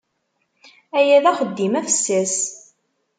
Aya d axeddim afessas.